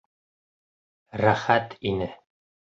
Рәхәт ине.